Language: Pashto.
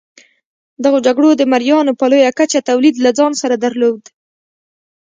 دغو جګړو د مریانو په لویه کچه تولید له ځان سره درلود.